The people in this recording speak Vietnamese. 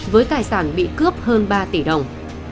với tài sản bị cướp hơn ba tỷ đồng